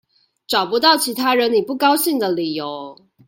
找不到其他惹你不高興的理由